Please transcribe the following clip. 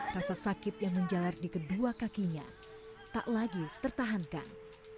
rasa sakit yang menjalar di kedua kakinya tak lagi tertahankan